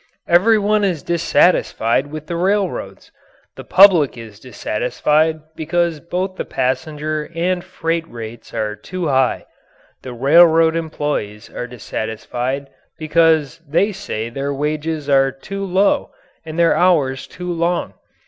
Everyone is dissatisfied with the railways. The public is dissatisfied because both the passenger and freight rates are too high. The railroad employees are dissatisfied because they say their wages are too low and their hours too long.